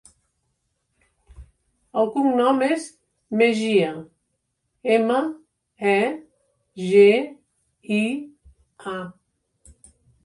El cognom és Megia: ema, e, ge, i, a.